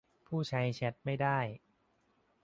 ผู้ใช้แชตไม่ได้